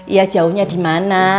iya jauhnya dimana